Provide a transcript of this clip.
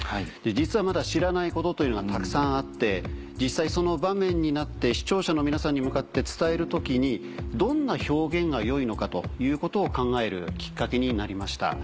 実はまだ知らないことというのがたくさんあって実際その場面になって視聴者の皆さんに向かって伝える時にどんな表現が良いのかということを考えるきっかけになりました。